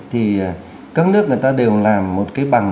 thì các nước người ta đều làm một cái bằng